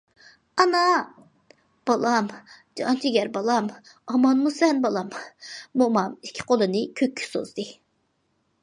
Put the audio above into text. ئانا!...- بالام، جانجىگەر بالام، ئامانمۇ سەن بالام! مومام ئىككى قولىنى كۆككە سوزدى.